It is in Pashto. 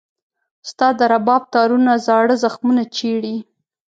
ستا د رباب تارونه زاړه زخمونه چېړي.